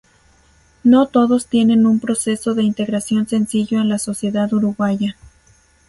No todos tienen un proceso de integración sencillo en la sociedad uruguaya.